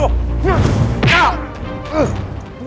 udah gak apa apa